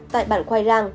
tại bản khoai rang